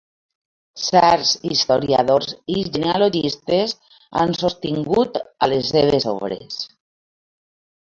Certs historiadors i genealogistes han sostingut a les seves obres.